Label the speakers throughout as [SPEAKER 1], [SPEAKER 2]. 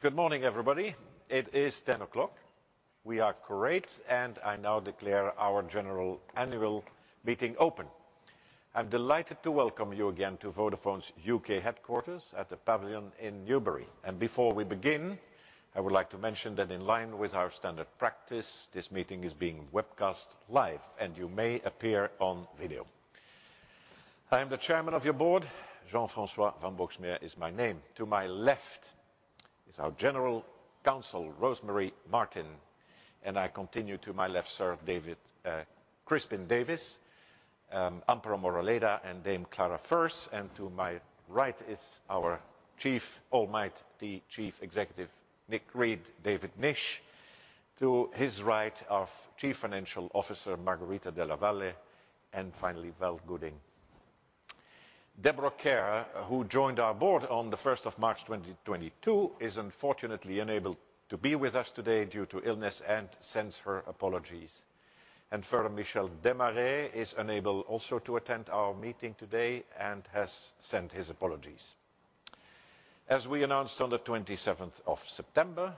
[SPEAKER 1] Good morning, everybody. It is 10:00 A.M. We are quorate, and I now declare our General Annual Meeting open. I'm delighted to welcome you again to Vodafone's U.K. headquarters at The Pavilion in Newbury. Before we begin, I would like to mention that in line with our standard practice, this meeting is being webcast live, and you may appear on video. I am the Chairman of your board. Jean-François van Boxmeer is my name. To my left is our General Counsel, Rosemary Martin. I continue to my left, Crispin Davis, Amparo Moraleda, and Dame Clara Furse. To my right is our chief, almighty Chief Executive, Nick Read, David Nish, to his right, our Chief Financial Officer, Margherita Della Valle, and finally, Val Gooding. Deborah Kerr, who joined our board on the first of March 2022, is unfortunately unable to be with us today due to illness and sends her apologies. Further, Michel Demaré is unable also to attend our meeting today and has sent his apologies. As we announced on the 27th of September,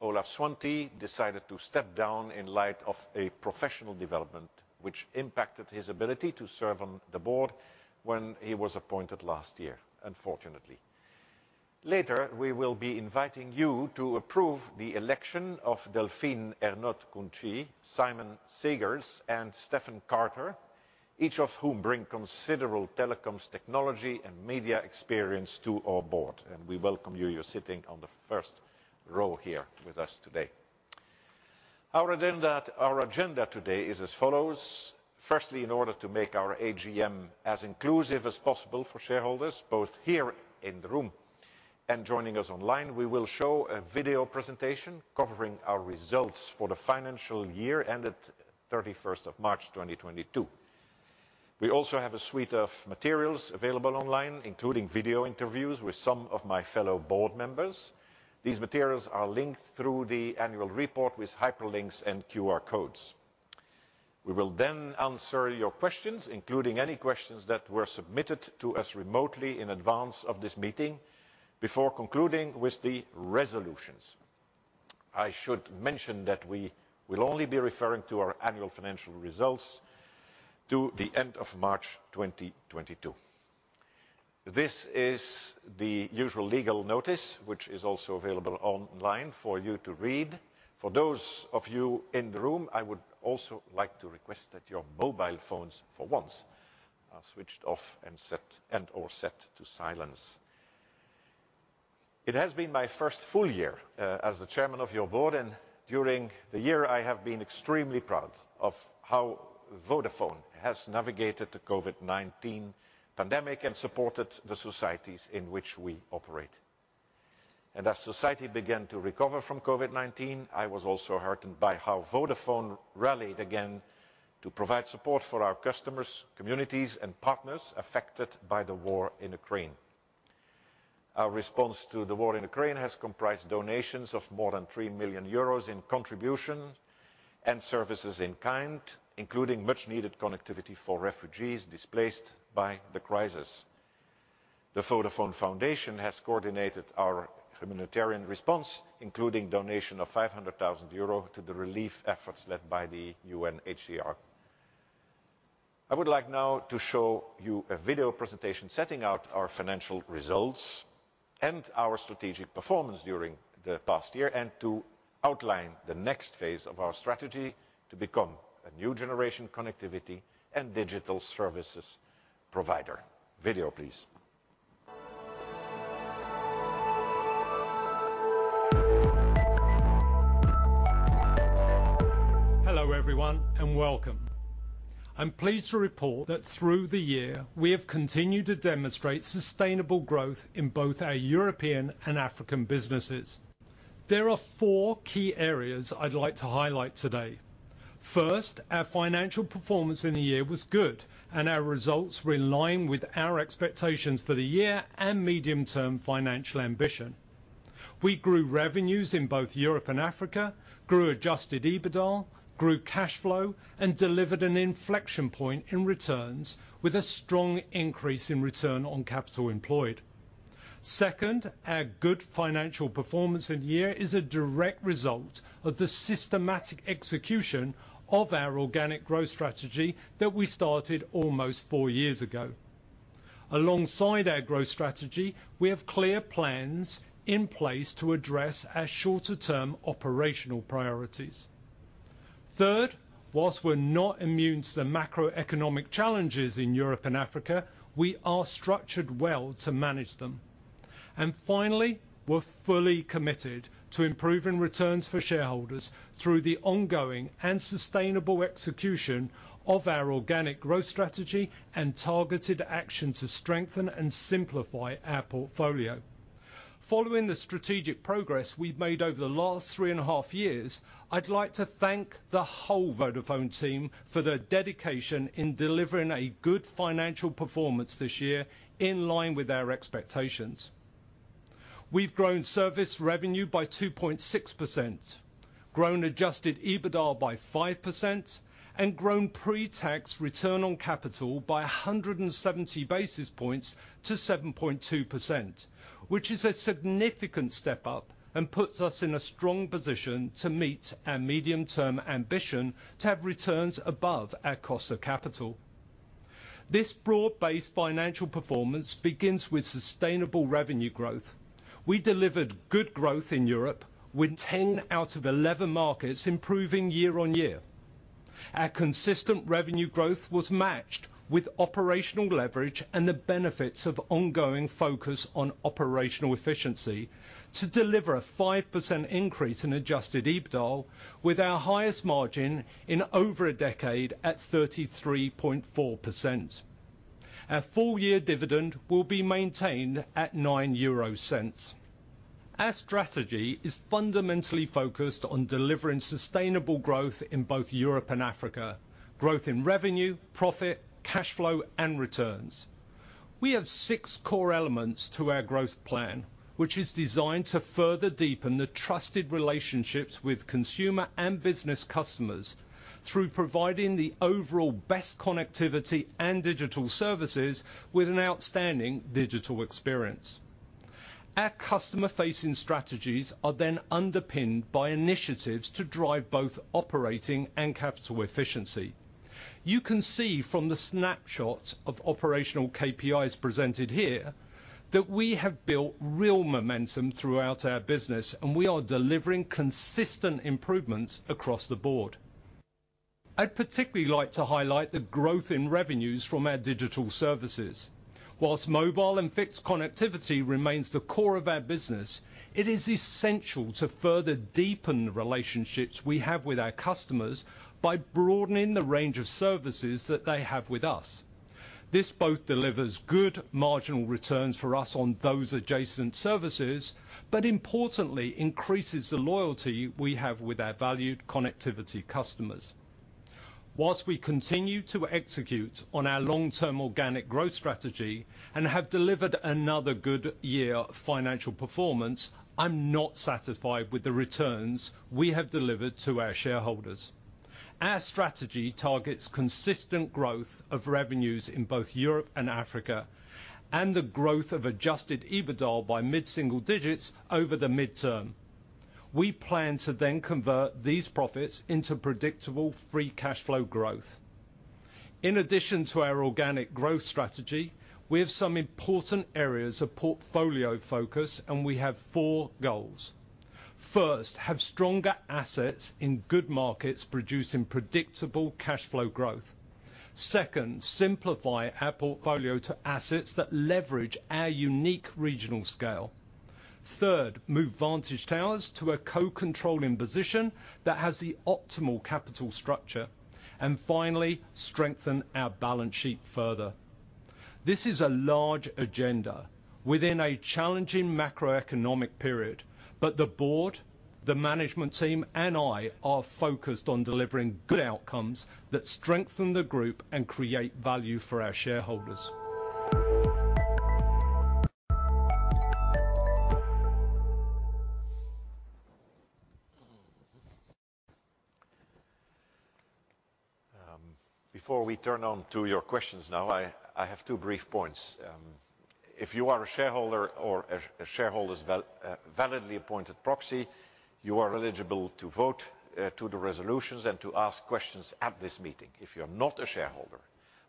[SPEAKER 1] Olaf Swantee decided to step down in light of a professional development which impacted his ability to serve on the board when he was appointed last year, unfortunately. Later, we will be inviting you to approve the election of Delphine Ernotte Cunci, Simon Segars, and Stephen Carter, each of whom bring considerable telecoms technology and media experience to our board. We welcome you. You're sitting on the first row here with us today. Our agenda today is as follows. Firstly, in order to make our AGM as inclusive as possible for shareholders, both here in the room and joining us online, we will show a video presentation covering our results for the financial year ended 31st of March 2022. We also have a suite of materials available online, including video interviews with some of my fellow board members. These materials are linked through the annual report with hyperlinks and QR codes. We will then answer your questions, including any questions that were submitted to us remotely in advance of this meeting before concluding with the resolutions. I should mention that we will only be referring to our annual financial results to the end of March 2022. This is the usual legal notice, which is also available online for you to read. For those of you in the room, I would also like to request that your mobile phones, for once, are switched off and set, and/or set to silence. It has been my first full year as the chairman of your board, and during the year, I have been extremely proud of how Vodafone has navigated the COVID-19 pandemic and supported the societies in which we operate. As society began to recover from COVID-19, I was also heartened by how Vodafone rallied again to provide support for our customers, communities, and partners affected by the war in Ukraine. Our response to the war in Ukraine has comprised donations of more than 3 million euros in contribution and services in kind, including much needed connectivity for refugees displaced by the crisis. The Vodafone Foundation has coordinated our humanitarian response, including donation of EUR 500,000 to the relief efforts led by the UNHCR. I would like now to show you a video presentation setting out our financial results and our strategic performance during the past year, and to outline the next phase of our strategy to become a new generation connectivity and digital services provider. Video, please.
[SPEAKER 2] Hello, everyone, and welcome. I'm pleased to report that through the year, we have continued to demonstrate sustainable growth in both our European and African businesses. There are four key areas I'd like to highlight today. First, our financial performance in the year was good, and our results were in line with our expectations for the year and medium-term financial ambition. We grew revenues in both Europe and Africa, grew Adjusted EBITDA, grew cash flow, and delivered an inflection point in returns with a strong increase in Return on Capital Employed. Second, our good financial performance in the year is a direct result of the systematic execution of our organic growth strategy that we started almost four years ago. Alongside our growth strategy, we have clear plans in place to address our shorter term operational priorities. Third, while we're not immune to the macroeconomic challenges in Europe and Africa, we are structured well to manage them. Finally, we're fully committed to improving returns for shareholders through the ongoing and sustainable execution of our organic growth strategy and targeted action to strengthen and simplify our portfolio. Following the strategic progress we've made over the last three and a half years, I'd like to thank the whole Vodafone team for their dedication in delivering a good financial performance this year in line with our expectations. We've grown service revenue by 2.6%. Grown Adjusted EBITDA by 5%, and grown pretax return on capital by 170 basis points to 7.2%, which is a significant step up and puts us in a strong position to meet our medium-term ambition to have returns above our cost of capital. This broad-based financial performance begins with sustainable revenue growth. We delivered good growth in Europe with 10 out of 11 markets improving year-on-year. Our consistent revenue growth was matched with operational leverage and the benefits of ongoing focus on operational efficiency to deliver a 5% increase in Adjusted EBITDA with our highest margin in over a decade at 33.4%. Our full-year dividend will be maintained at 0.09. Our strategy is fundamentally focused on delivering sustainable growth in both Europe and Africa. Growth in revenue, profit, cash flow, and returns. We have six core elements to our growth plan, which is designed to further deepen the trusted relationships with consumer and business customers through providing the overall best connectivity and digital services with an outstanding digital experience. Our customer-facing strategies are then underpinned by initiatives to drive both operating and capital efficiency. You can see from the snapshot of operational KPIs presented here, that we have built real momentum throughout our business, and we are delivering consistent improvements across the board. I'd particularly like to highlight the growth in revenues from our digital services. While mobile and fixed connectivity remains the core of our business, it is essential to further deepen the relationships we have with our customers by broadening the range of services that they have with us. This both delivers good marginal returns for us on those adjacent services, but importantly, increases the loyalty we have with our valued connectivity customers. While we continue to execute on our long-term organic growth strategy and have delivered another good year of financial performance, I'm not satisfied with the returns we have delivered to our shareholders. Our strategy targets consistent growth of revenues in both Europe and Africa, and the growth of Adjusted EBITDA by mid-single digits over the midterm. We plan to then convert these profits into predictable free cash flow growth. In addition to our organic growth strategy, we have some important areas of portfolio focus, and we have four goals. First, have stronger assets in good markets producing predictable cash flow growth. Second, simplify our portfolio to assets that leverage our unique regional scale. Third, move Vantage Towers to a co-controlling position that has the optimal capital structure. And finally, strengthen our balance sheet further. This is a large agenda within a challenging macroeconomic period, but the Board, the management team, and I are focused on delivering good outcomes that strengthen the group and create value for our shareholders.
[SPEAKER 1] Before we turn to your questions now. I have two brief points. If you are a shareholder or a shareholder's validly appointed proxy, you are eligible to vote on the resolutions and to ask questions at this meeting. If you're not a shareholder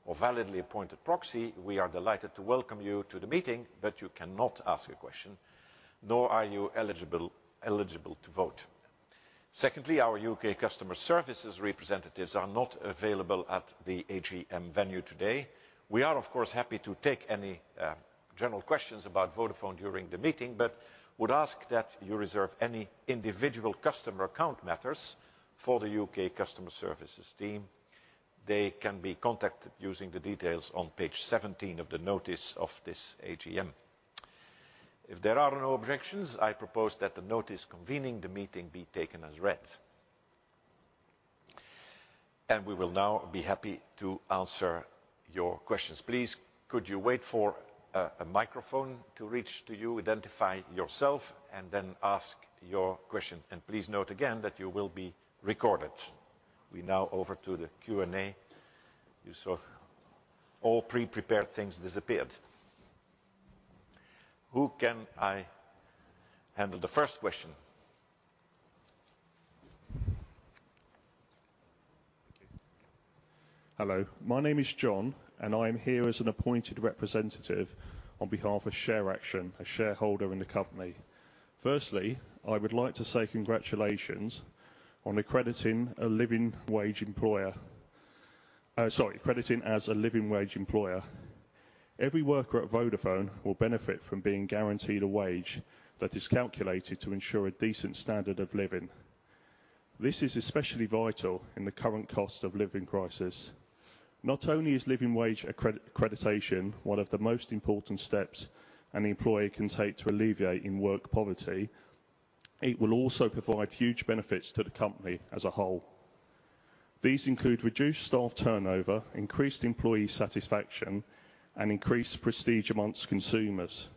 [SPEAKER 1] or validly appointed proxy, we are delighted to welcome you to the meeting, but you cannot ask a question, nor are you eligible to vote. Secondly, our U.K. customer services representatives are not available at the AGM venue today. We are, of course, happy to take any general questions about Vodafone during the meeting, but would ask that you reserve any individual customer account matters for the U.K. customer services team. They can be contacted using the details on page 17 of the notice of this AGM. If there are no objections, I propose that the notice convening the meeting be taken as read. We will now be happy to answer your questions. Please, could you wait for a microphone to reach to you, identify yourself, and then ask your question. Please note again that you will be recorded. We now turn to the Q&A. You saw all pre-prepared things disappear. Who can I handle the first question?
[SPEAKER 3] Thank you. Hello, my name is John, and I'm here as an appointed representative on behalf of ShareAction, a shareholder in the company. Firstly, I would like to say congratulations on crediting as a living wage employer. Every worker at Vodafone will benefit from being guaranteed a wage that is calculated to ensure a decent standard of living. This is especially vital in the current cost of living crisis. Not only is living wage accreditation one of the most important steps an employer can take to alleviate in-work poverty, it will also provide huge benefits to the company as a whole. These include reduced staff turnover, increased employee satisfaction, and increased prestige among consumers.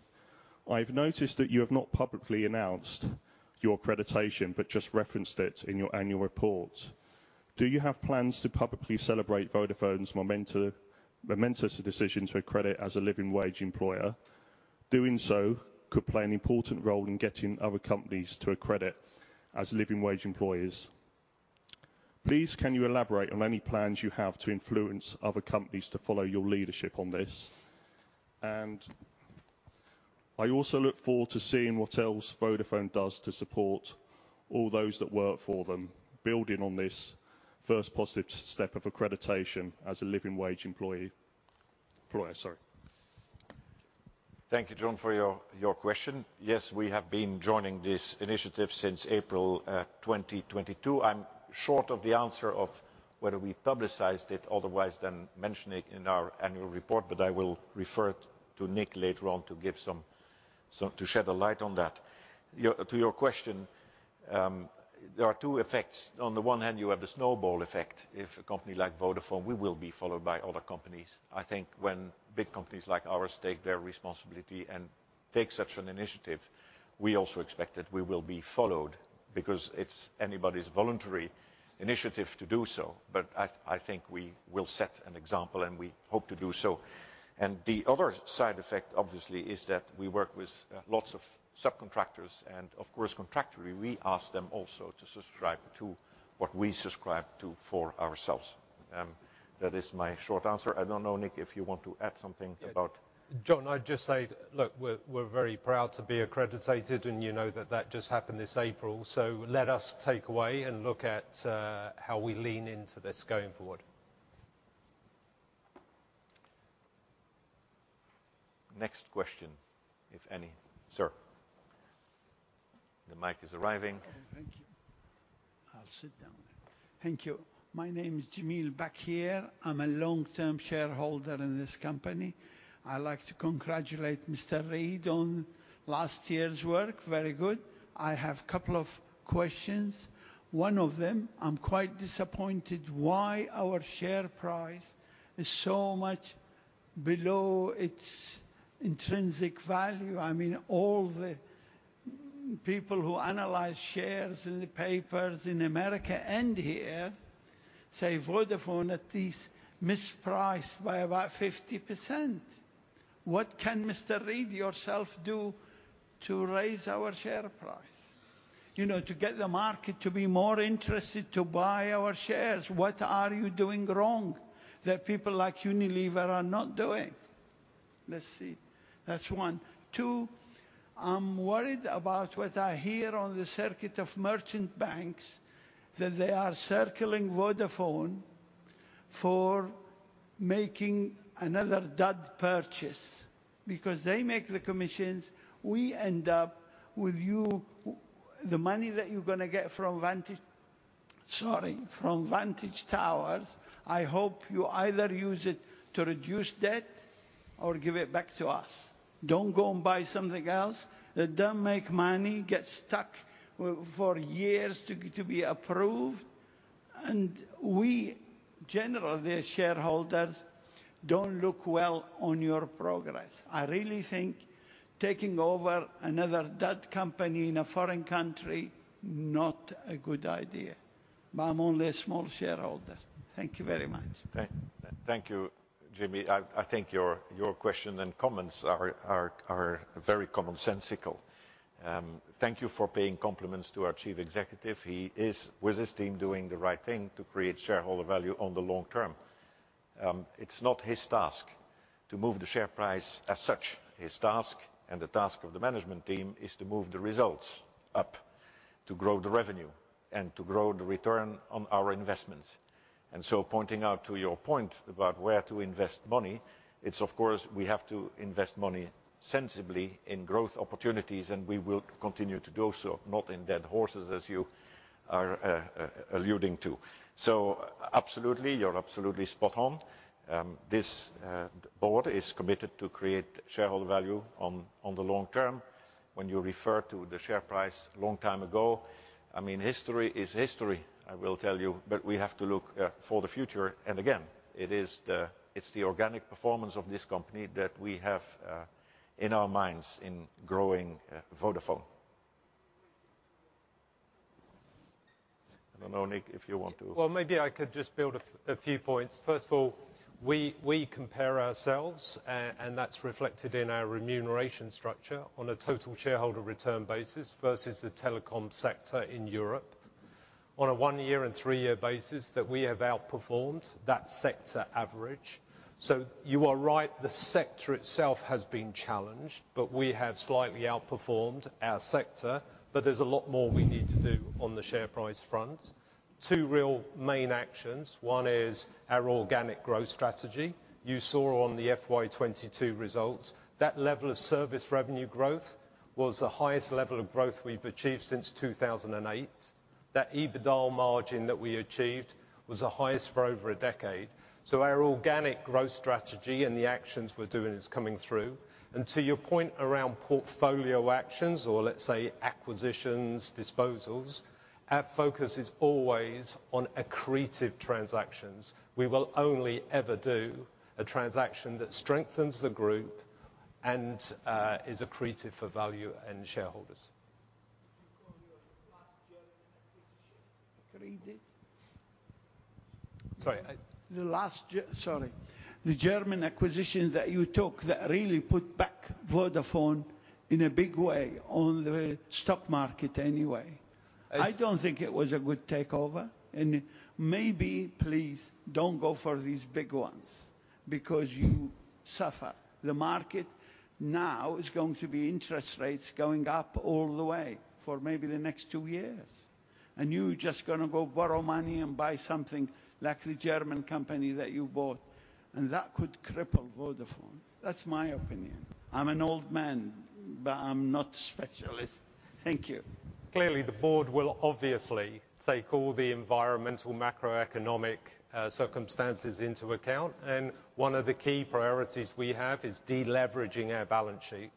[SPEAKER 3] I've noticed that you have not publicly announced your accreditation, but just referenced it in your annual report. Do you have plans to publicly celebrate Vodafone's momentous decision to accredit as a living wage employer? Doing so could play an important role in getting other companies to accredit as living wage employers. Please, can you elaborate on any plans you have to influence other companies to follow your leadership on this? I also look forward to seeing what else Vodafone does to support all those that work for them, building on this first positive step of accreditation as a living wage employer, sorry.
[SPEAKER 1] Thank you, John, for your question. Yes, we have been joining this initiative since April 2022. I'm short of the answer of whether we publicized it otherwise than mentioning it in our annual report, but I will refer it to Nick later on to shed a light on that. To your question, there are two effects. On the one hand, you have the snowball effect. If a company like Vodafone, we will be followed by other companies. I think when big companies like ours take their responsibility and take such an initiative, we also expect that we will be followed because it's anybody's voluntary initiative to do so. I think we will set an example, and we hope to do so. The other side effect, obviously, is that we work with lots of subcontractors and, of course, contractually, we ask them also to subscribe to what we subscribe to for ourselves. That is my short answer. I don't know, Nick, if you want to add something about.
[SPEAKER 2] John, I'd just say, look, we're very proud to be accredited, and you know that just happened this April. Let us take away and look at how we lean into this going forward.
[SPEAKER 1] Next question, if any. Sir. The mic is arriving.
[SPEAKER 4] Thank you. I'll sit down. Thank you. My name is Jamil Bakir. I'm a long-term shareholder in this company. I like to congratulate Mr. Read on last year's work. Very good. I have a couple of questions. One of them, I'm quite disappointed why our share price is so much below its intrinsic value. I mean, all the people who analyze shares in the papers in America and here say Vodafone at least mispriced by about 50%. What can Mr. Read yourself do to raise our share price? You know, to get the market to be more interested to buy our shares. What are you doing wrong that people like Unilever are not doing? Let's see. That's one. Two, I'm worried about what I hear on the circuit of merchant banks that they are circling Vodafone for making another dud purchase because they make the commissions. We end up with you, the money that you're gonna get from Vantage Towers. Sorry, from Vantage Towers, I hope you either use it to reduce debt or give it back to us. Don't go and buy something else that don't make money, get stuck for years to be approved. We, generally, as shareholders, don't look well on your progress. I really think taking over another dud company in a foreign country, not a good idea, but I'm only a small shareholder. Thank you very much.
[SPEAKER 1] Thank you, Jamil. I think your question and comments are very commonsensical. Thank you for paying compliments to our chief executive. He is, with his team, doing the right thing to create shareholder value on the long term. It's not his task to move the share price as such. His task, and the task of the management team, is to move the results up, to grow the revenue, and to grow the return on our investments. Pointing out to your point about where to invest money, it's of course, we have to invest money sensibly in growth opportunities, and we will continue to do so, not in dead horses as you are alluding to. Absolutely, you're absolutely spot on. This board is committed to create shareholder value on the long term. When you refer to the share price a long time ago, I mean, history is history, I will tell you, but we have to look for the future. Again, it is the organic performance of this company that we have in our minds in growing Vodafone. I don't know, Nick, if you want to-
[SPEAKER 2] Well, maybe I could just build a few points. First of all, we compare ourselves, and that's reflected in our remuneration structure on a total shareholder return basis versus the telecom sector in Europe. On a one-year and three-year basis that we have outperformed that sector average. You are right, the sector itself has been challenged, but we have slightly outperformed our sector, but there's a lot more we need to do on the share price front. Two real main actions. One is our organic growth strategy. You saw on the FY 2022 results, that level of service revenue growth was the highest level of growth we've achieved since 2008. That EBITDA margin that we achieved was the highest for over a decade. Our organic growth strategy and the actions we're doing is coming through. To your point around portfolio actions or let's say acquisitions, disposals. Our focus is always on accretive transactions. We will only ever do a transaction that strengthens the group and is accretive for value and shareholders.
[SPEAKER 4] The last German acquisition, accretive?
[SPEAKER 2] Sorry, I-
[SPEAKER 4] The German acquisition that you took that really put back Vodafone in a big way on the stock market, anyway.
[SPEAKER 2] It-
[SPEAKER 4] I don't think it was a good takeover. Maybe, please, don't go for these big ones because you suffer. The market now is going to be interest rates going up all the way for maybe the next two years, and you're just gonna go borrow money and buy something like the German company that you bought, and that could cripple Vodafone. That's my opinion. I'm an old man, but I'm not specialist. Thank you.
[SPEAKER 2] Clearly, the board will obviously take all the environmental macroeconomic circumstances into account, and one of the key priorities we have is deleveraging our balance sheet.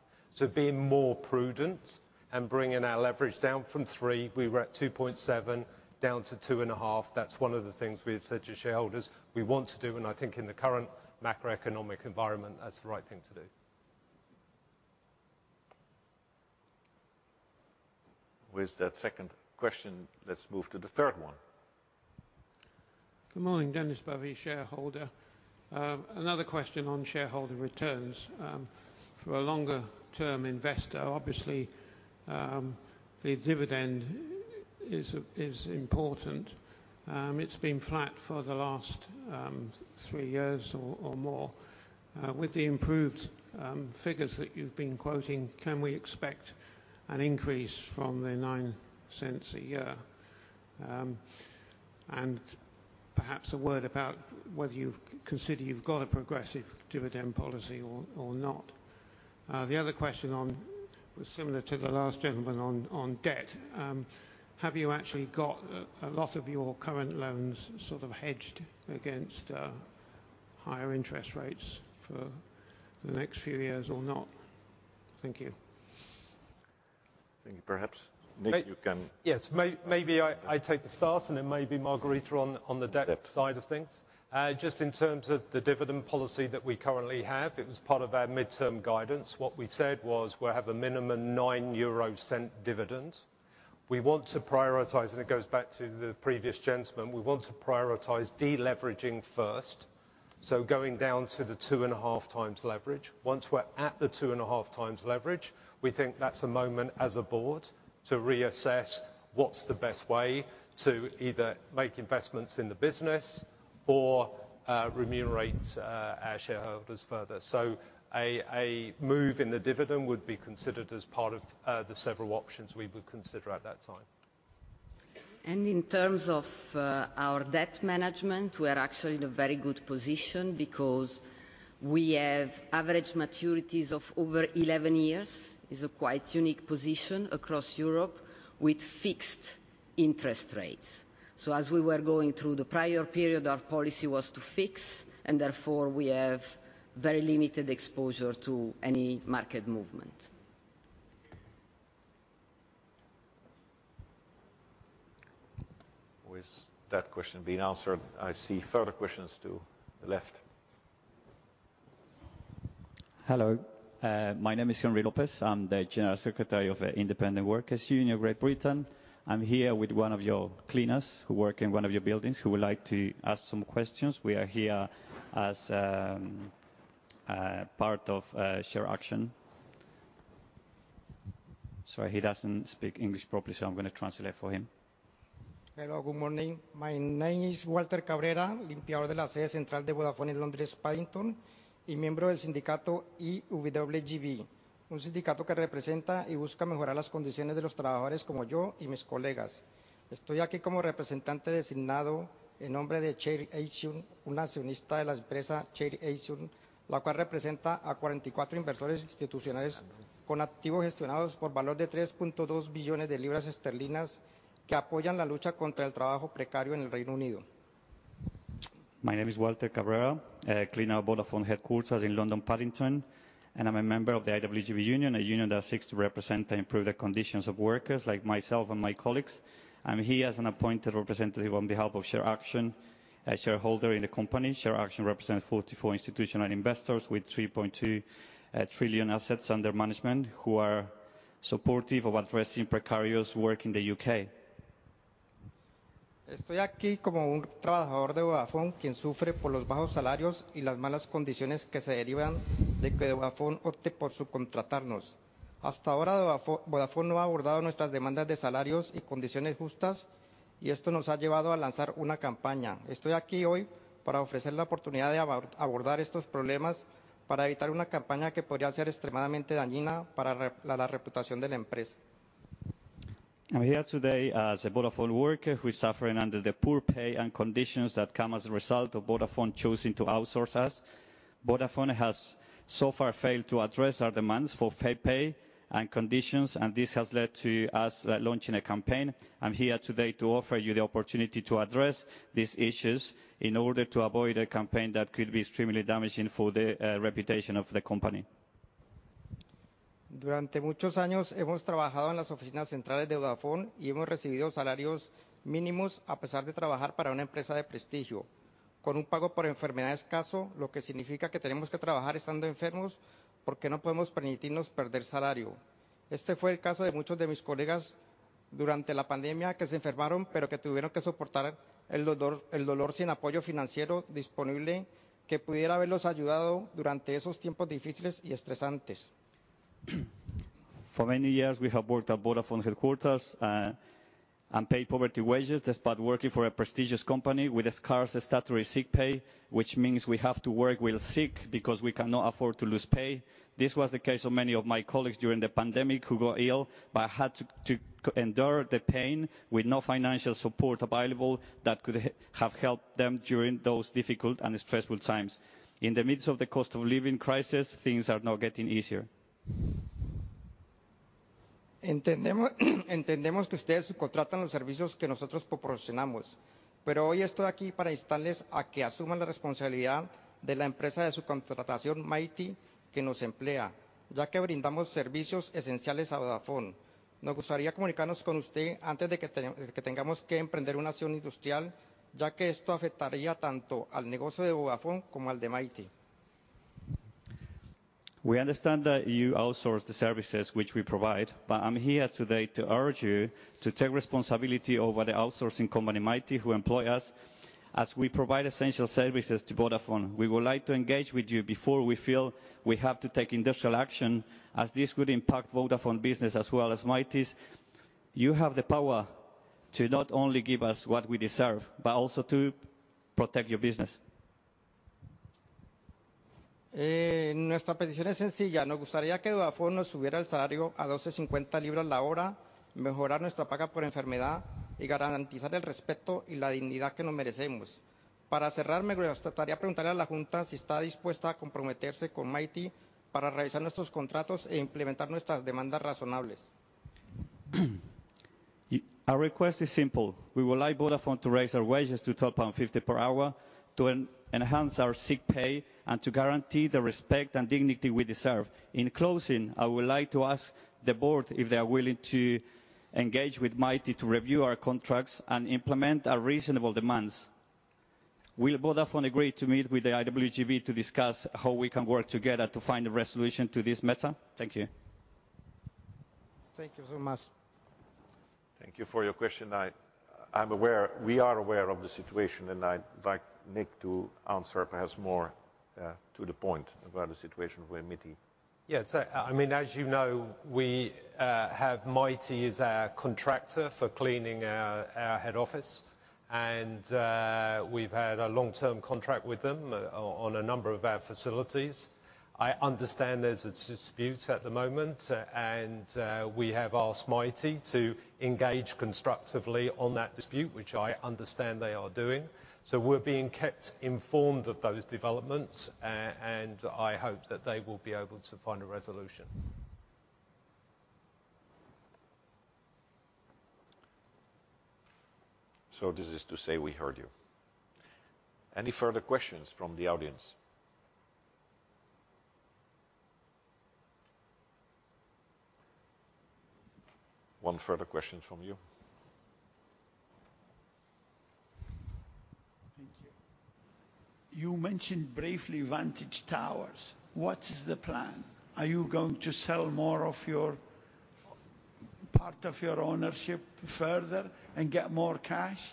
[SPEAKER 2] Being more prudent and bringing our leverage down from three, we were at 2.7, down to 2.5. That's one of the things we had said to shareholders we want to do, and I think in the current macroeconomic environment, that's the right thing to do.
[SPEAKER 1] With that second question, let's move to the third one.
[SPEAKER 5] Good morning, Dennis Bavey, shareholder. Another question on shareholder returns. For a longer-term investor, obviously, the dividend is important. It's been flat for the last three years or more. With the improved figures that you've been quoting, can we expect an increase from the 0.09 a year? And perhaps a word about whether you consider you've got a progressive dividend policy or not. The other question was similar to the last gentleman on debt. Have you actually got a lot of your current loans sort of hedged against higher interest rates for the next few years or not? Thank you.
[SPEAKER 1] Thank you. Perhaps, Nick, you can
[SPEAKER 2] Maybe I take the start, and then maybe Margherita on the debt side of things. Just in terms of the dividend policy that we currently have, it was part of our midterm guidance. What we said was we'll have a minimum 0.09 dividend. We want to prioritize, and it goes back to the previous gentleman, we want to prioritize deleveraging first, so going down to the 2.5x leverage. Once we're at the 2.5x leverage, we think that's a moment, as a board, to reassess what's the best way to either make investments in the business or remunerate our shareholders further. A move in the dividend would be considered as part of the several options we would consider at that time.
[SPEAKER 6] In terms of our debt management, we are actually in a very good position because we have average maturities of over 11 years, is a quite unique position across Europe with fixed interest rates. As we were going through the prior period, our policy was to fix, and therefore we have very limited exposure to any market movement.
[SPEAKER 1] With that question being answered, I see further questions to the left.
[SPEAKER 7] Hello. My name is Henry Lopez. I'm the General Secretary of Independent Workers' Union of Great Britain. I'm here with one of your cleaners who work in one of your buildings, who would like to ask some questions. We are here as part of ShareAction. Sorry, he doesn't speak English properly, so I'm gonna translate for him.
[SPEAKER 8] Hello. Good morning. My name is Walter Cabrera.
[SPEAKER 7] My name is Walter Cabrera, a cleaner at Vodafone headquarters in London, Paddington, and I'm a member of the IWGB Union, a union that seeks to represent and improve the conditions of workers like myself and my colleagues. I'm here as an appointed representative on behalf of ShareAction, a shareholder in the company. ShareAction represents 44 institutional investors with 3.2 trillion assets under management who are supportive of addressing precarious work in the U.K. I'm here today as a Vodafone worker who is suffering under the poor pay and conditions that come as a result of Vodafone choosing to outsource us. Vodafone has so far failed to address our demands for fair pay and conditions, and this has led to us launching a campaign. I'm here today to offer you the opportunity to address these issues in order to avoid a campaign that could be extremely damaging for the reputation of the company.
[SPEAKER 8] Durante muchos años hemos trabajado en las oficinas centrales de Vodafone y hemos recibido salarios mínimos a pesar de trabajar para una empresa de prestigio, con un pago por enfermedad escaso, lo que significa que tenemos que trabajar estando enfermos porque no podemos permitirnos perder salario. Este fue el caso de muchos de mis colegas durante la pandemia, que se enfermaron, pero que tuvieron que soportar el dolor sin apoyo financiero disponible que pudiera haberlos ayudado durante esos tiempos difíciles y estresantes.
[SPEAKER 7] For many years we have worked at Vodafone headquarters and paid poverty wages despite working for a prestigious company with a scarce statutory sick pay, which means we have to work while sick because we cannot afford to lose pay. This was the case of many of my colleagues during the pandemic who got ill, but had to endure the pain with no financial support available that could have helped them during those difficult and stressful times. In the midst of the cost of living crisis, things are not getting easier.
[SPEAKER 8] Entendemos que ustedes subcontratan los servicios que nosotros proporcionamos, pero hoy estoy aquí para instarles a que asuman la responsabilidad de la empresa de subcontratación, Mitie, que nos emplea, ya que brindamos servicios esenciales a Vodafone. Nos gustaría comunicarnos con usted antes de que tengamos que emprender una acción industrial, ya que esto afectaría tanto al negocio de Vodafone como al de Mitie.
[SPEAKER 7] We understand that you outsource the services which we provide, but I'm here today to urge you to take responsibility over the outsourcing company, Mitie, who employ us, as we provide essential services to Vodafone. We would like to engage with you before we feel we have to take industrial action, as this could impact Vodafone business as well as Mitie's. You have the power to not only give us what we deserve, but also to protect your business.
[SPEAKER 8] Nuestra petición es sencilla. Nos gustaría que Vodafone nos subiera el salario a 12.50 la hora, mejorar nuestra paga por enfermedad y garantizar el respeto y la dignidad que nos merecemos. Para cerrar, me gustaría preguntarle a la junta si está dispuesta a comprometerse con Mitie para revisar nuestros contratos e implementar nuestras demandas razonables.
[SPEAKER 7] Our request is simple. We would like Vodafone to raise our wages to pound 12.50 per hour, to enhance our sick pay, and to guarantee the respect and dignity we deserve. In closing, I would like to ask the board if they are willing to engage with Mitie to review our contracts and implement our reasonable demands. Will Vodafone agree to meet with the IWGB to discuss how we can work together to find a resolution to this matter? Thank you.
[SPEAKER 8] Thank you so much.
[SPEAKER 1] Thank you for your question. We are aware of the situation, and I'd like Nick to answer perhaps more to the point about the situation with Mitie.
[SPEAKER 2] I mean, as you know, we have Mitie as our contractor for cleaning our head office. We've had a long-term contract with them on a number of our facilities. I understand there's a dispute at the moment, and we have asked Mitie to engage constructively on that dispute, which I understand they are doing. We're being kept informed of those developments, and I hope that they will be able to find a resolution.
[SPEAKER 1] This is to say we heard you. Any further questions from the audience? One further question from you.
[SPEAKER 4] Thank you. You mentioned briefly Vantage Towers. What is the plan? Are you going to sell more of your part of your ownership further and get more cash?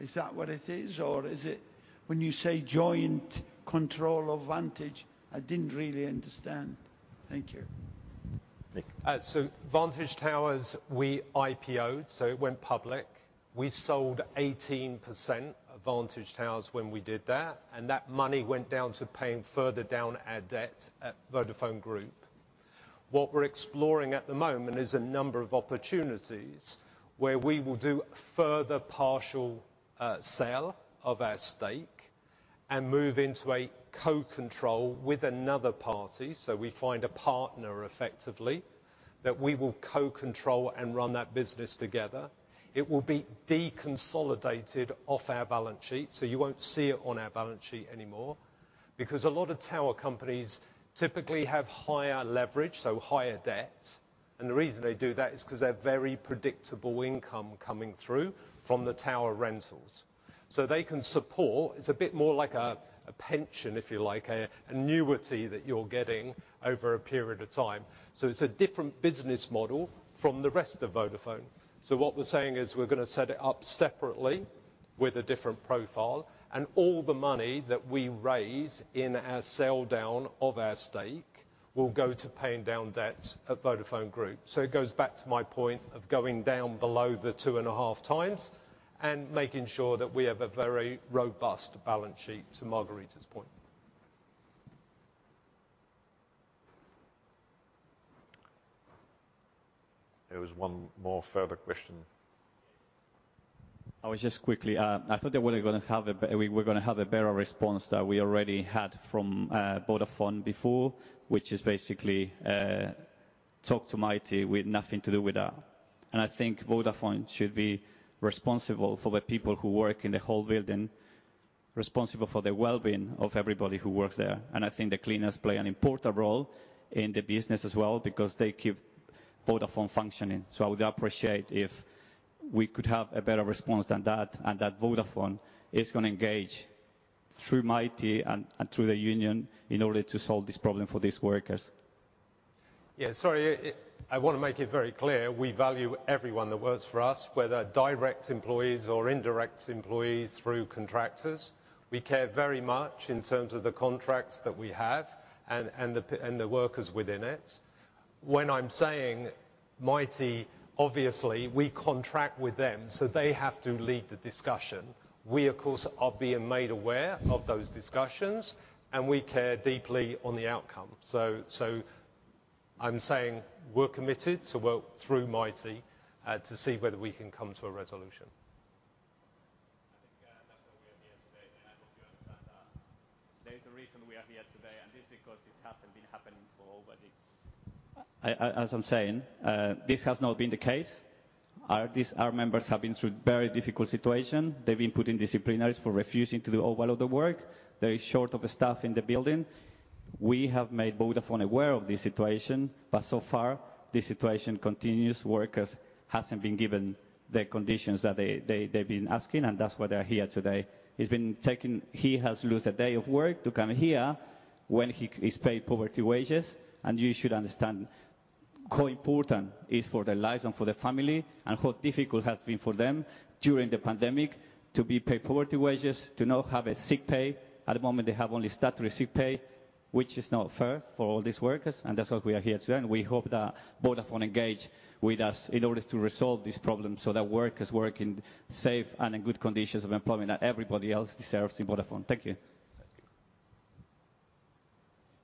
[SPEAKER 4] Is that what it is? Or is it when you say joint control of Vantage, I didn't really understand. Thank you.
[SPEAKER 2] Vantage Towers, we IPO'd, so it went public. We sold 18% of Vantage Towers when we did that, and that money went down to paying further down our debt at Vodafone Group. What we're exploring at the moment is a number of opportunities where we will do further partial sale of our stake and move into a co-control with another party. We find a partner effectively that we will co-control and run that business together. It will be deconsolidated off our balance sheet, so you won't see it on our balance sheet anymore. Because a lot of tower companies typically have higher leverage, so higher debt. The reason they do that is 'cause they have very predictable income coming through from the tower rentals. They can support. It's a bit more like a pension, if you like, an annuity that you're getting over a period of time. It's a different business model from the rest of Vodafone. What we're saying is we're gonna set it up separately with a different profile, and all the money that we raise in our sell down of our stake will go to paying down debt at Vodafone Group. It goes back to my point of going down below the 2.5x and making sure that we have a very robust balance sheet to Margherita's point.
[SPEAKER 1] There was one more further question.
[SPEAKER 7] I was just quickly. I thought that we were gonna have a better response that we already had from Vodafone before, which is basically talk to Mitie. We're nothing to do with that. I think Vodafone should be responsible for the people who work in the whole building. Responsible for the wellbeing of everybody who works there. I think the cleaners play an important role in the business as well because they keep Vodafone functioning. I would appreciate if we could have a better response than that, and that Vodafone is gonna engage through Mitie and through the union in order to solve this problem for these workers.
[SPEAKER 2] Sorry, I wanna make it very clear, we value everyone that works for us, whether direct employees or indirect employees through contractors. We care very much in terms of the contracts that we have and the workers within it. When I'm saying Mitie, obviously we contract with them, so they have to lead the discussion. We of course are being made aware of those discussions, and we care deeply on the outcome. I'm saying we're committed to work through Mitie to see whether we can come to a resolution.
[SPEAKER 7] I think that's why we are here today, and I hope you understand that. There is a reason we are here today, and it's because this has not been the case. Our members have been through very difficult situation. They've been put in disciplinaries for refusing to do all of the work. Very short of staff in the building. We have made Vodafone aware of this situation, but so far this situation continues. Workers hasn't been given the conditions that they've been asking, and that's why they're here today. It's been taking. He has lost a day of work to come here when he is paid poverty wages, and you should understand how important is for their lives and for their family, and how difficult it has been for them during the pandemic to be paid poverty wages, to not have a sick pay. At the moment, they have only statutory sick pay, which is not fair for all these workers, and that's why we are here today. We hope that Vodafone engage with us in order to resolve this problem so that workers work in safe and in good conditions of employment that everybody else deserves in Vodafone. Thank you.
[SPEAKER 1] Thank you.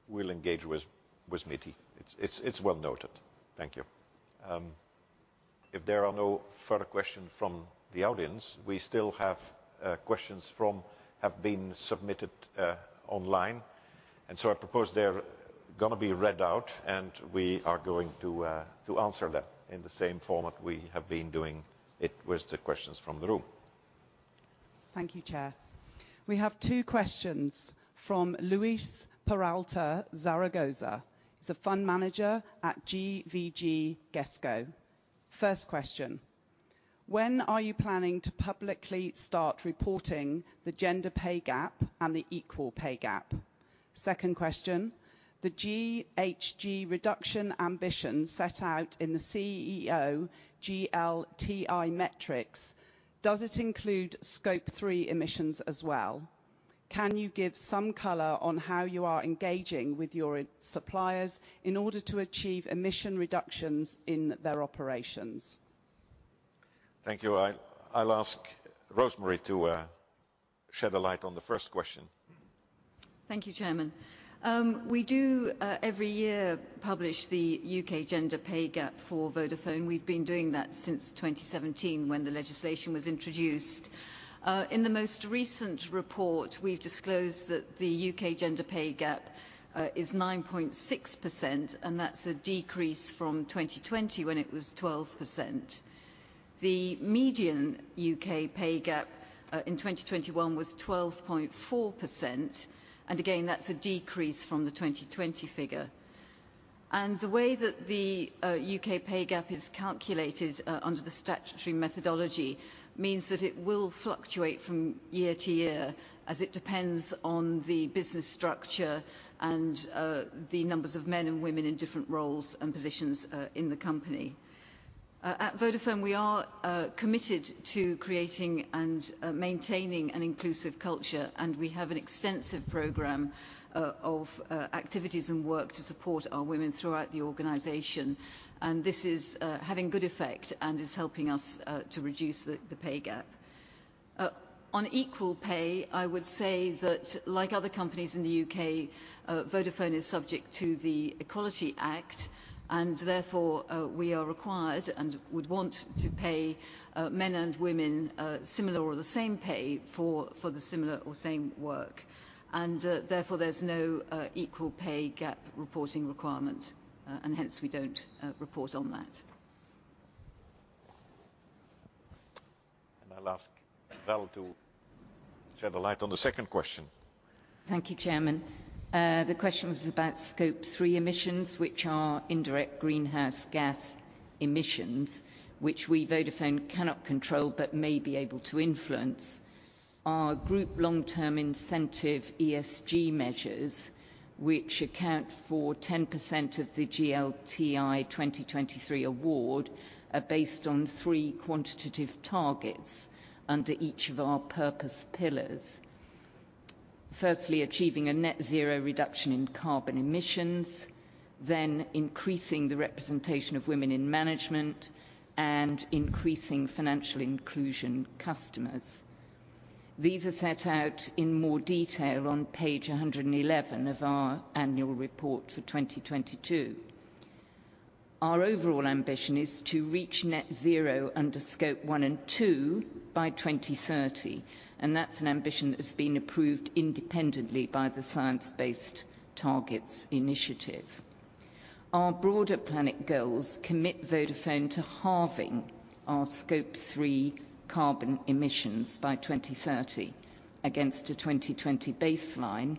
[SPEAKER 1] We'll engage with Mitie. It's well noted. Thank you. If there are no further questions from the audience, we still have questions that have been submitted online. I propose they're gonna be read out, and we are going to answer them in the same format we have been doing it with the questions from the room.
[SPEAKER 9] Thank you, Chair. We have two questions from Luis Peralta Zaragoza. He's a fund manager at GVC Gaesco. First question: When are you planning to publicly start reporting the gender pay gap and the equal pay gap? Second question: The GHG reduction ambition set out in the CEO GLTI metrics, does it include Scope 3 emissions as well? Can you give some color on how you are engaging with your suppliers in order to achieve emission reductions in their operations?
[SPEAKER 1] Thank you. I'll ask Rosemary to shed a light on the first question.
[SPEAKER 10] Thank you, Chairman. We do every year publish the U.K. gender pay gap for Vodafone. We've been doing that since 2017 when the legislation was introduced. In the most recent report, we've disclosed that the U.K. gender pay gap is 9.6%, and that's a decrease from 2020 when it was 12%. The median U.K. pay gap in 2021 was 12.4%, and again, that's a decrease from the 2020 figure. The way that the U.K. pay gap is calculated under the statutory methodology means that it will fluctuate from year to year as it depends on the business structure and the numbers of men and women in different roles and positions in the company. At Vodafone, we are committed to creating and maintaining an inclusive culture, and we have an extensive program of activities and work to support our women throughout the organization, and this is having good effect and is helping us to reduce the pay gap. On equal pay, I would say that like other companies in the U.K., Vodafone is subject to the Equality Act, and therefore, we are required and would want to pay men and women similar or the same pay for the similar or same work. Therefore, there's no equal pay gap reporting requirement, and hence we don't report on that.
[SPEAKER 1] I'll ask Val to shed a light on the second question.
[SPEAKER 11] Thank you, Chairman. The question was about Scope 3 emissions, which are indirect greenhouse gas emissions, which we Vodafone cannot control, but may be able to influence. Our group long-term incentive ESG measures, which account for 10% of the GLTI 2023 award, are based on three quantitative targets under each of our purpose pillars. Firstly, achieving a net zero reduction in carbon emissions, then increasing the representation of women in management, and increasing financial inclusion customers. These are set out in more detail on page 111 of our annual report for 2022. Our overall ambition is to reach net zero under Scope 1 and 2 by 2030, and that's an ambition that's been approved independently by the Science-Based Targets initiative. Our broader planet goals commit Vodafone to halving our Scope 3 carbon emissions by 2030 against a 2020 baseline,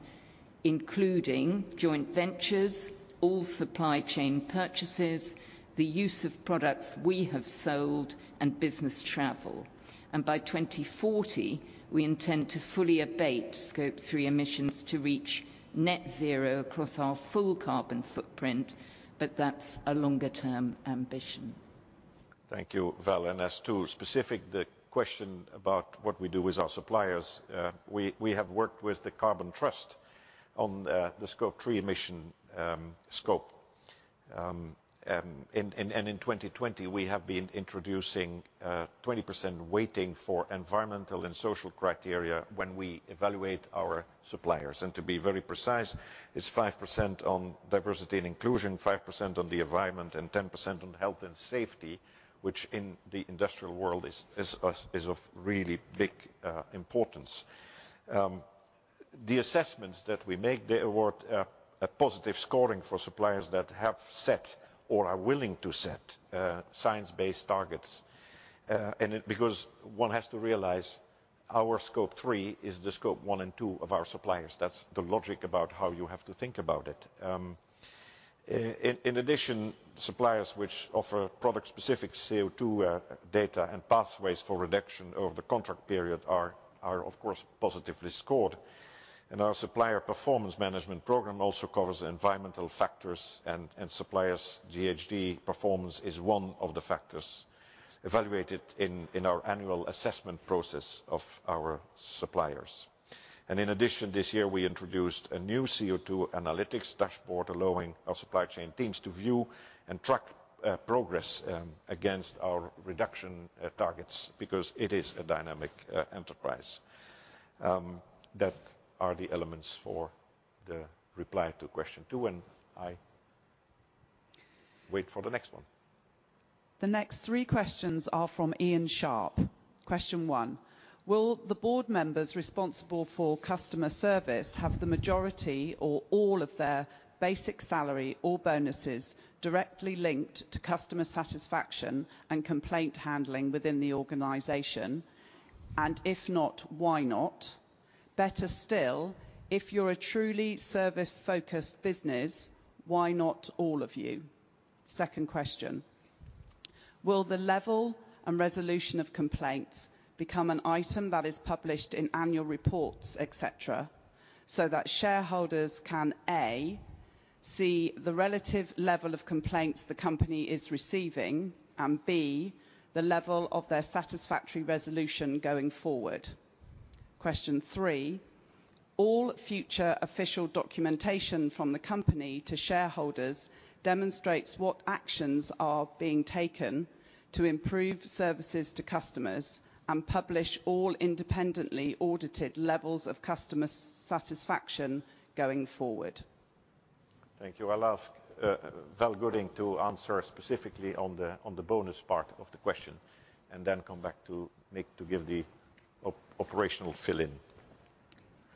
[SPEAKER 11] including joint ventures, all supply chain purchases, the use of products we have sold, and business travel. By 2040, we intend to fully abate Scope 3 emissions to reach net zero across our full carbon footprint, but that's a longer term ambition.
[SPEAKER 1] Thank you, Val. As to specific the question about what we do with our suppliers, we have worked with the Carbon Trust on the Scope 3 emission scope. In 2020, we have been introducing 20% weighting for environmental and social criteria when we evaluate our suppliers. To be very precise, it's 5% on diversity and inclusion, 5% on the environment, and 10% on health and safety, which in the industrial world is of really big importance. The assessments that we make, they award a positive scoring for suppliers that have set or are willing to set science-based targets. Because one has to realize our Scope 3 is the Scope 1 and 2 of our suppliers. That's the logic about how you have to think about it. In addition, suppliers which offer product-specific CO2 data and pathways for reduction over the contract period are of course positively scored. Our supplier performance management program also covers environmental factors and suppliers. GHG performance is one of the factors evaluated in our annual assessment process of our suppliers. In addition, this year, we introduced a new CO2 analytics dashboard allowing our supply chain teams to view and track progress against our reduction targets because it is a dynamic enterprise. That are the elements for the reply to question two, and I wait for the next one.
[SPEAKER 9] The next three questions are from Ian Sharp. Question one: Will the board members responsible for customer service have the majority or all of their basic salary or bonuses directly linked to customer satisfaction and complaint handling within the organization? And if not, why not? Better still, if you're a truly service-focused business, why not all of you? Second question: Will the level and resolution of complaints become an item that is published in annual reports, et cetera, so that shareholders can, A, see the relative level of complaints the company is receiving and, B, the level of their satisfactory resolution going forward. Question three: All future official documentation from the company to shareholders demonstrates what actions are being taken to improve services to customers and publish all independently audited levels of customer satisfaction going forward.
[SPEAKER 1] Thank you. I'll ask Val Gooding to answer specifically on the bonus part of the question and then come back to Nick to give the operational fill in.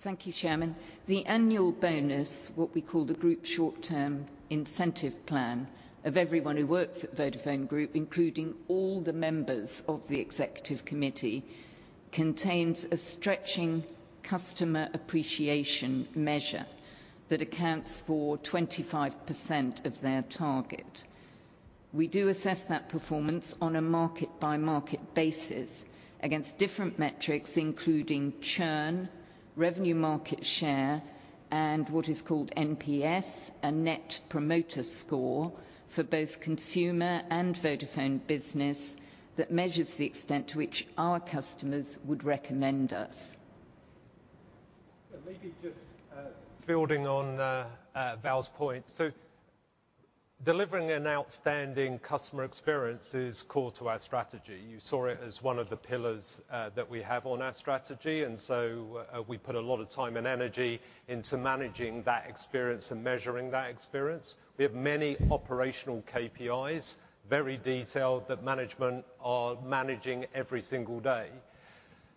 [SPEAKER 11] Thank you, Chairman. The annual bonus, what we call the Group Short-Term Incentive Plan, of everyone who works at Vodafone Group, including all the members of the executive committee, contains a stretching customer appreciation measure that accounts for 25% of their target. We do assess that performance on a market-by-market basis against different metrics, including churn, revenue market share, and what is called NPS, a Net Promoter Score, for both consumer and Vodafone business that measures the extent to which our customers would recommend us.
[SPEAKER 2] Maybe just building on Val's point. Delivering an outstanding customer experience is core to our strategy. You saw it as one of the pillars that we have on our strategy, and so we put a lot of time and energy into managing that experience and measuring that experience. We have many operational KPIs, very detailed, that management are managing every single day.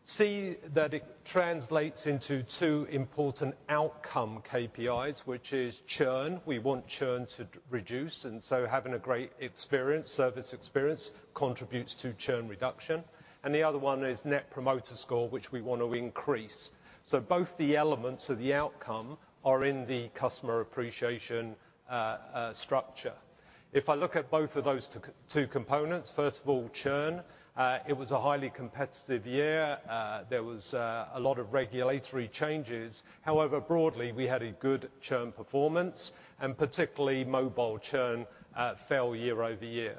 [SPEAKER 2] See that it translates into two important outcome KPIs, which is churn. We want churn to reduce, and so having a great experience, service experience contributes to churn reduction. The other one is Net Promoter Score, which we wanna increase. Both the elements of the outcome are in the customer appreciation structure. If I look at both of those two components, first of all, churn. It was a highly competitive year. There was a lot of regulatory changes. However, broadly, we had a good churn performance, and particularly mobile churn fell year-over-year.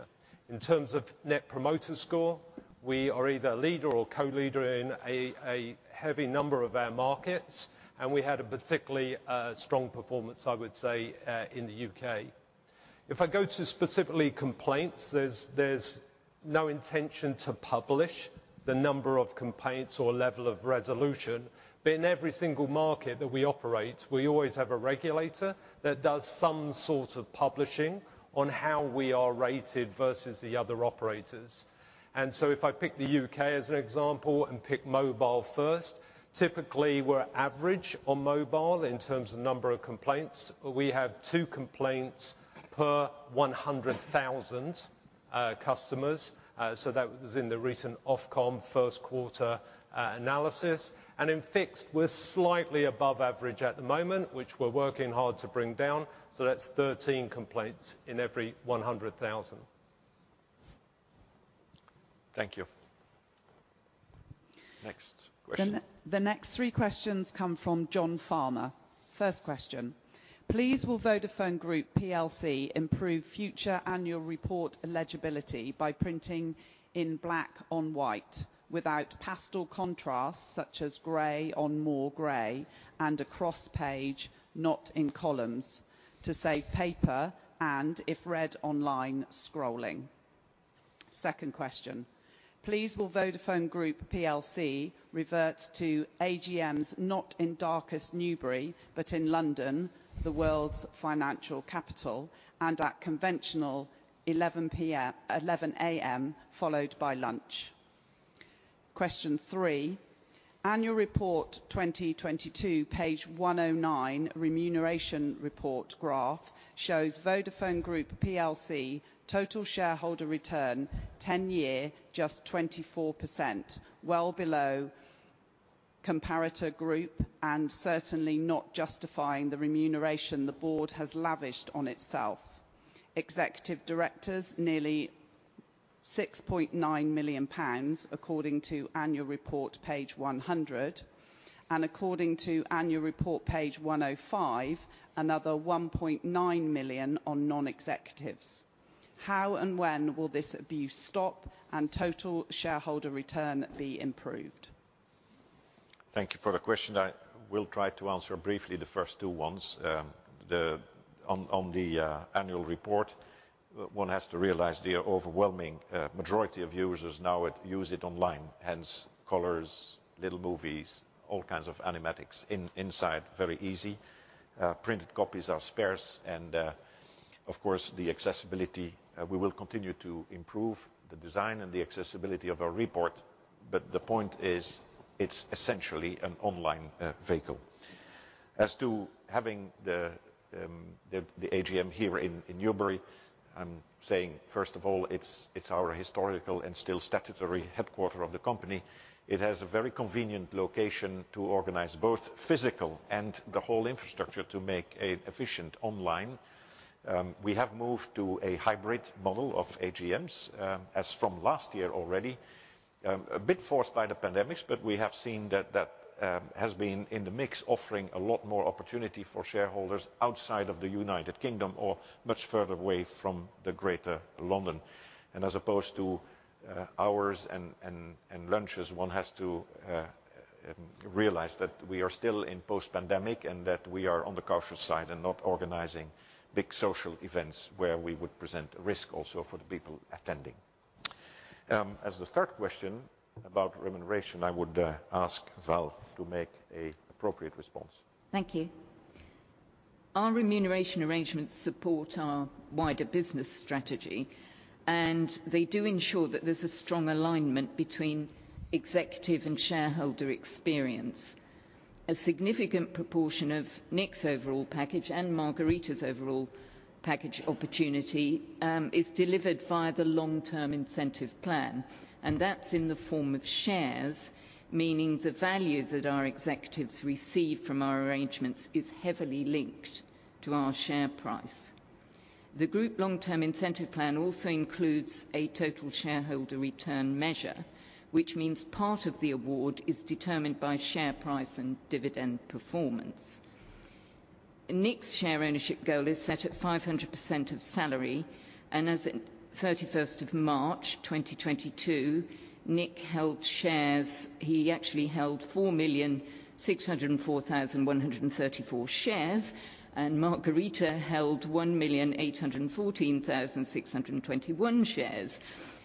[SPEAKER 2] In terms of Net Promoter Score, we are either leader or co-leader in a heavy number of our markets, and we had a particularly strong performance, I would say, in the U.K. If I go to specific complaints, there's no intention to publish the number of complaints or level of resolution. But in every single market that we operate, we always have a regulator that does some sort of publishing on how we are rated versus the other operators. If I pick the U.K. as an example and pick mobile first, typically we're average on mobile in terms of number of complaints. We have two complaints per 100,000 customers. That was in the recent Ofcom first quarter analysis. In fixed, we're slightly above average at the moment, which we're working hard to bring down. That's 13 complaints in every 100,000.
[SPEAKER 1] Thank you. Next question.
[SPEAKER 9] The next three questions come from John Farmer. First question: Please will Vodafone Group PLC improve future annual report legibility by printing in black on white without pastel contrasts, such as gray on more gray, and across page, not in columns, to save paper and if read online, scrolling? Second question: Please will Vodafone Group PLC revert to AGMs not in darkest Newbury, but in London, the world's financial capital, and at conventional 11 A.M., followed by lunch? Question three: Annual report 2022, page 109, remuneration report graph shows Vodafone Group PLC total shareholder return 10-year just 24%, well below comparator group and certainly not justifying the remuneration the board has lavished on itself. Executive directors nearly 6.9 million pounds, according to annual report page 100. According to annual report page 105, another 1.9 million on non-executives. How and when will this abuse stop and total shareholder return be improved?
[SPEAKER 1] Thank you for the question. I will try to answer briefly the first two ones. On the annual report, one has to realize the overwhelming majority of users now use it online, hence colors, little movies, all kinds of animatics inside, very easy. Printed copies are sparse, and, of course, the accessibility, we will continue to improve the design and the accessibility of our report, but the point is, it's essentially an online vehicle. As to having the AGM here in Newbury, I'm saying, first of all, it's our historical and still statutory headquarters of the company. It has a very convenient location to organize both physical and the whole infrastructure to make an efficient online. We have moved to a hybrid model of AGMs, as from last year already, a bit forced by the pandemic, but we have seen that has been in the mix offering a lot more opportunity for shareholders outside of the United Kingdom or much further away from the Greater London. As opposed to hours and lunches, one has to realize that we are still in post-pandemic and that we are on the cautious side and not organizing big social events where we would present risk also for the people attending. As the third question about remuneration, I would ask Val to make a appropriate response.
[SPEAKER 11] Thank you. Our remuneration arrangements support our wider business strategy, and they do ensure that there's a strong alignment between executive and shareholder experience. A significant proportion of Nick's overall package and Margherita's overall package opportunity is delivered via the Group Long-Term Incentive Plan, and that's in the form of shares, meaning the value that our executives receive from our arrangements is heavily linked to our share price. The Group Long-Term Incentive Plan also includes a total shareholder return measure, which means part of the award is determined by share price and dividend performance. Nick's share ownership goal is set at 500% of salary, and as at 31 March 2022, Nick held shares. He actually held 4,604,134 shares, and Margherita held 1,814,621 shares,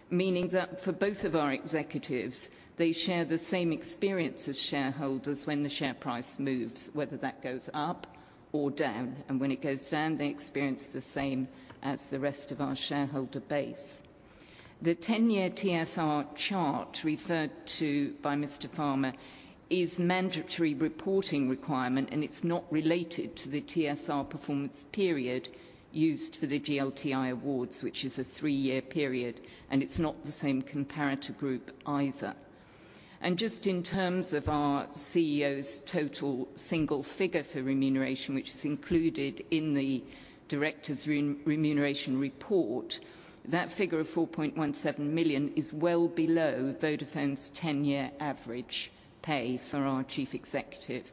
[SPEAKER 11] meaning that for both of our executives, they share the same experience as shareholders when the share price moves, whether that goes up or down. When it goes down, they experience the same as the rest of our shareholder base. The 10-year TSR chart referred to by Mr. Farmer is mandatory reporting requirement, and it's not related to the TSR performance period used for the GLTI awards, which is a three-year period, and it's not the same comparator group either. Just in terms of our CEO's total single figure for remuneration, which is included in the directors' remuneration report, that figure of 4.17 million is well below Vodafone's 10-year average pay for our chief executive.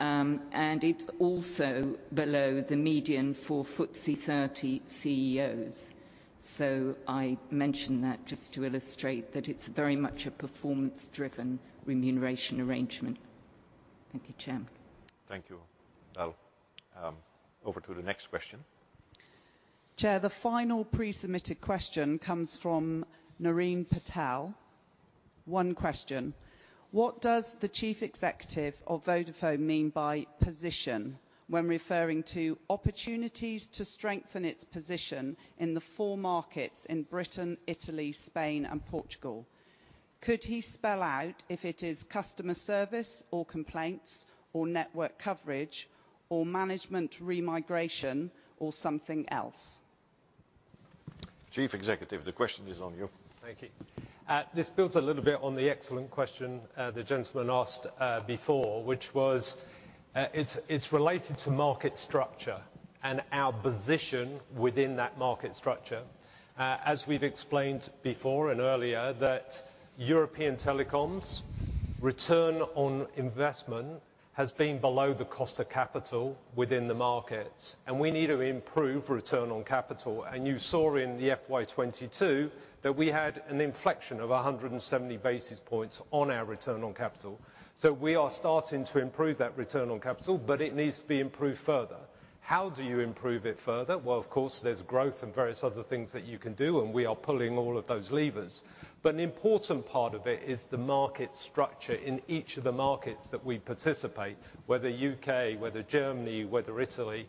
[SPEAKER 11] It's also below the median for FT 30 CEOs. I mention that just to illustrate that it's very much a performance-driven remuneration arrangement. Thank you, Chair.
[SPEAKER 1] Thank you. Val, over to the next question.
[SPEAKER 9] Chair, the final pre-submitted question comes from Narine Patel. One question: What does the Chief Executive of Vodafone mean by position when referring to opportunities to strengthen its position in the four markets in Britain, Italy, Spain, and Portugal? Could he spell out if it is customer service, or complaints, or network coverage, or management re-migration, or something else?
[SPEAKER 1] Chief Executive, the question is on you.
[SPEAKER 2] Thank you. This builds a little bit on the excellent question the gentleman asked before, which was, it's related to market structure and our position within that market structure. As we've explained before and earlier, that European telecoms return on investment has been below the cost of capital within the market, and we need to improve return on capital. You saw in the FY 2022 that we had an inflection of 170 basis points on our return on capital. We are starting to improve that return on capital, but it needs to be improved further. How do you improve it further? Well, of course, there's growth and various other things that you can do, and we are pulling all of those levers. An important part of it is the market structure in each of the markets that we participate, whether U.K., whether Germany, whether Italy.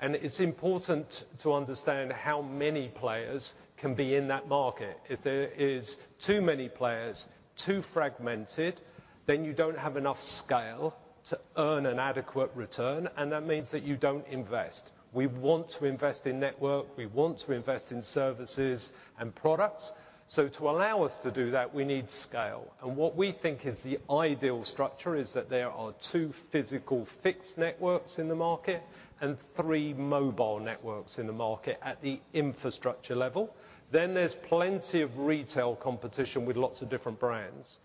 [SPEAKER 2] It's important to understand how many players can be in that market. If there is too many players, too fragmented, then you don't have enough scale to earn an adequate return, and that means that you don't invest. We want to invest in network, we want to invest in services and products. To allow us to do that, we need scale. What we think is the ideal structure is that there are two physical fixed networks in the market and three mobile networks in the market at the infrastructure level. Then there's plenty of retail competition with lots of different brands.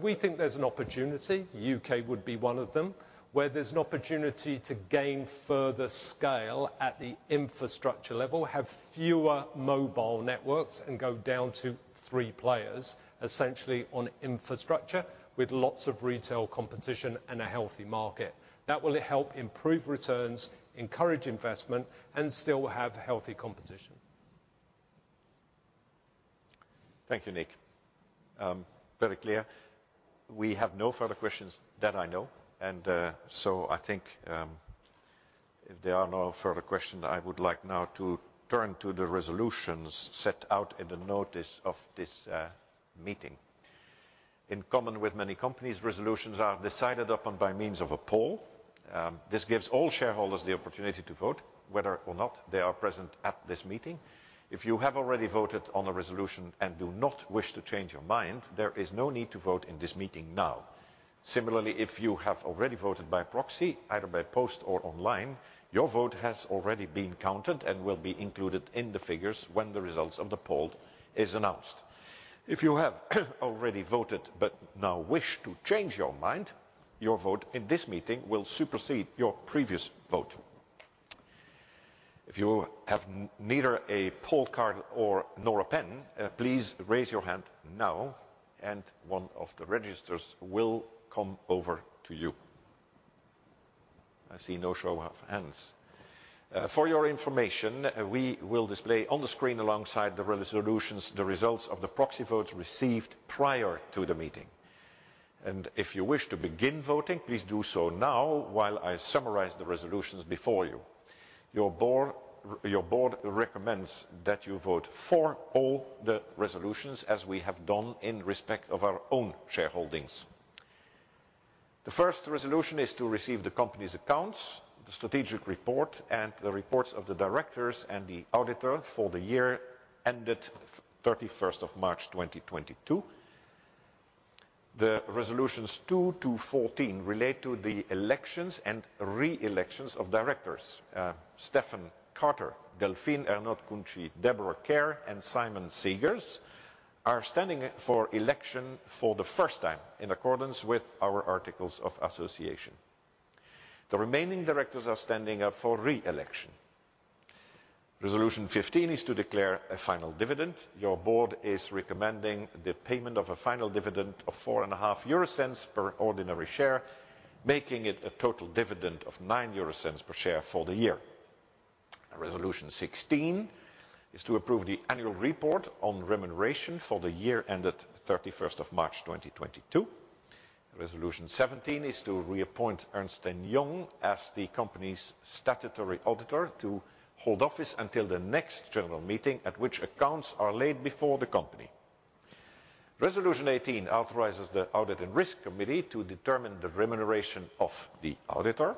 [SPEAKER 2] We think there's an opportunity, the U.K. would be one of them, where there's an opportunity to gain further scale at the infrastructure level, have fewer mobile networks and go down to three players, essentially on infrastructure with lots of retail competition and a healthy market. That will help improve returns, encourage investment, and still have healthy competition.
[SPEAKER 1] Thank you, Nick. Very clear. We have no further questions that I know. I think, if there are no further questions, I would like now to turn to the resolutions set out in the notice of this meeting. In common with many companies, resolutions are decided upon by means of a poll. This gives all shareholders the opportunity to vote whether or not they are present at this meeting. If you have already voted on a resolution and do not wish to change your mind, there is no need to vote in this meeting now. Similarly, if you have already voted by proxy, either by post or online, your vote has already been counted and will be included in the figures when the results of the poll is announced. If you have already voted but now wish to change your mind, your vote in this meeting will supersede your previous vote. If you have neither a poll card nor a pen, please raise your hand now and one of the registrars will come over to you. I see no show of hands. For your information, we will display on the screen alongside the resolutions, the results of the proxy votes received prior to the meeting. If you wish to begin voting, please do so now while I summarize the resolutions before you. Your board recommends that you vote for all the resolutions as we have done in respect of our own shareholdings. The first resolution is to receive the company's accounts, the strategic report, and the reports of the directors and the auditor for the year ended 31 March 2022. Resolutions two to 14 relate to the elections and re-elections of directors. Stephen Carter, Delphine Ernotte Cunci, Deborah Kerr, and Simon Segars are standing for election for the first time in accordance with our articles of association. The remaining directors are standing up for re-election. Resolution 15 is to declare a final dividend. Your board is recommending the payment of a final dividend of 0.045 per ordinary share, making it a total dividend of 0.09 per share for the year. Resolution 16 is to approve the annual report on remuneration for the year ended 31 March 2022. Resolution 17 is to reappoint Ernst & Young as the company's statutory auditor to hold office until the next general meeting at which accounts are laid before the company. Resolution 18 authorizes the Audit and Risk Committee to determine the remuneration of the auditor.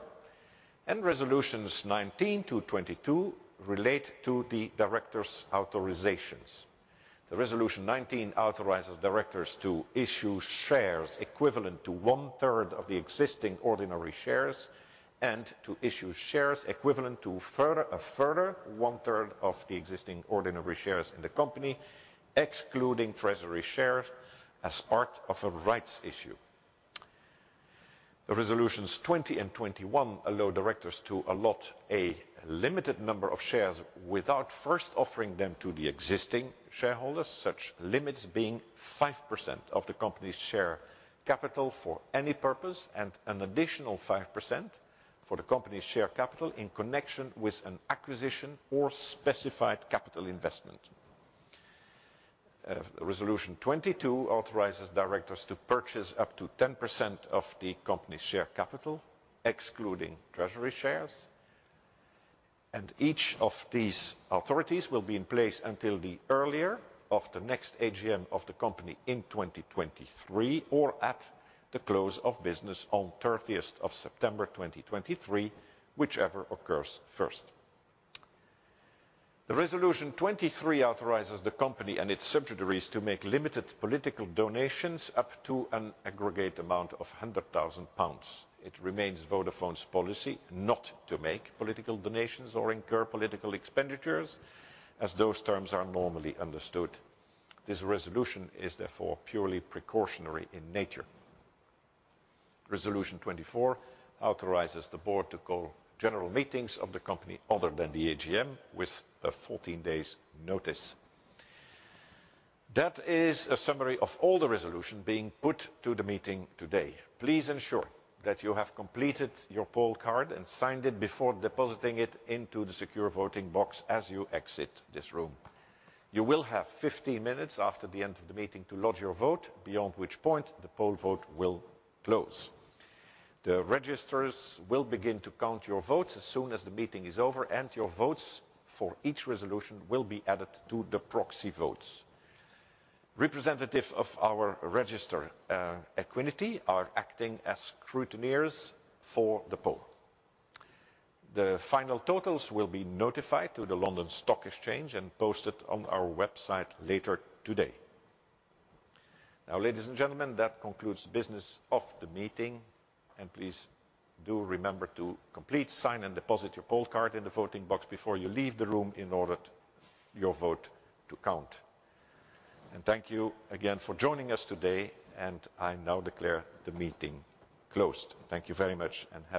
[SPEAKER 1] Resolutions 19-22 relate to the directors' authorizations. Resolution 19 authorizes directors to issue shares equivalent to 1/3 of the existing ordinary shares and to issue shares equivalent to a further 1/3 of the existing ordinary shares in the company, excluding treasury shares as part of a rights issue. The resolutions 20 and 21 allow directors to allot a limited number of shares without first offering them to the existing shareholders, such limits being 5% of the company's share capital for any purpose and an additional 5% of the company's share capital in connection with an acquisition or specified capital investment. Resolution 22 authorizes directors to purchase up to 10% of the company's share capital, excluding treasury shares. Each of these authorities will be in place until the earlier of the next AGM of the company in 2023 or at the close of business on 30th of September 2023, whichever occurs first. Resolution 23 authorizes the company and its subsidiaries to make limited political donations up to an aggregate amount of 100,000 pounds. It remains Vodafone's policy not to make political donations or incur political expenditures as those terms are normally understood. This resolution is therefore purely precautionary in nature. Resolution 24 authorizes the board to call general meetings of the company other than the AGM with a 14 days notice. That is a summary of all the resolution being put to the meeting today. Please ensure that you have completed your poll card and signed it before depositing it into the secure voting box as you exit this room. You will have 15 minutes after the end of the meeting to lodge your vote, beyond which point the poll vote will close. The registrars will begin to count your votes as soon as the meeting is over, and your votes for each resolution will be added to the proxy votes. Representative of our register, Equiniti are acting as scrutineers for the poll. The final totals will be notified to the London Stock Exchange and posted on our website later today. Now, ladies and gentlemen, that concludes the business of the meeting, and please do remember to complete, sign, and deposit your poll card in the voting box before you leave the room in order for your vote to count. Thank you again for joining us today, and I now declare the meeting closed. Thank you very much and have a good day.